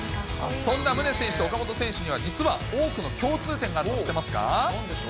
そんな宗選手と岡本選手には実は多くの共通点があるの、知ってますか？